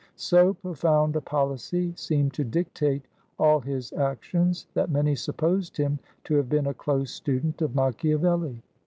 So profound a policy seemed to dictate all his actions that many supposed him to have been a close student of Machiavelli.